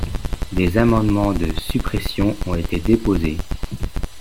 Des amendements de suppression ont été déposés.